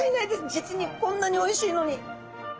実にこんなにおいしいのに。